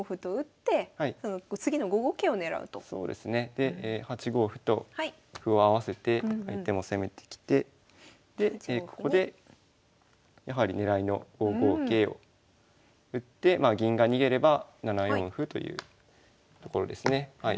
で８五歩と歩を合わせて相手も攻めてきてでここでやはり狙いの５五桂を打ってまあ銀が逃げれば７四歩というところですね。